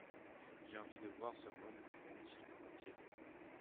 J'ai envie de voir ce mone magnifique en entier.